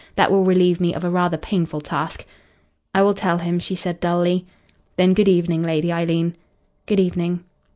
That will relieve me of a rather painful task." "I will tell him," she said dully. "Then good evening, Lady Eileen." "Good evening."